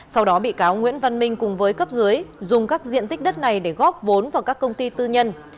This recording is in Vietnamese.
sau đó bị cáo nguyễn văn minh cùng với cấp dưới dùng các diện tích đất này để góp vốn vào các công ty tư nhân